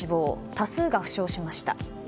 多数が負傷しました。